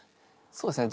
そうですね